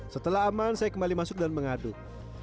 setelah aman saya kembali masuk dan mengaduk